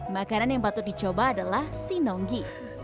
makanan yang patut dicoba adalah sinonggi